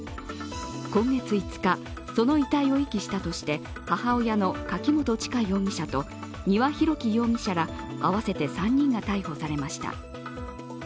今月５日、その遺体を遺棄したとして、母親の柿本知香容疑者と丹羽洋樹容疑者ら合わせて３人が逮捕されました。